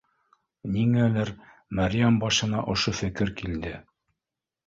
— Ниңәлер Мәрйәм башына ошо фекер килде